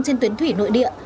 trên tuyến thủy nội địa